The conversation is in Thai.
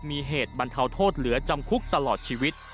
มีเหตุบรรเทาโทษเหลือจำคุกตลอดชีวิต